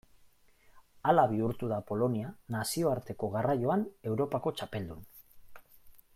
Hala bihurtu da Polonia nazioarteko garraioan Europako txapeldun.